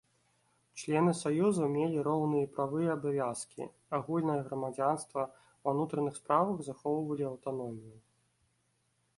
Члены саюзу мелі роўныя правы і абавязкі, агульнае грамадзянства, ва ўнутраных справах захоўвалі аўтаномію.